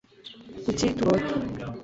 kuki turota